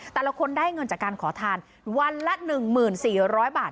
แต่ละคนได้เงินจากการขอทานวันละ๑๔๐๐บาท